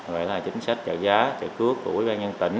rồi là chính sách trợ giá trợ cướp của ủy ban nhân tỉnh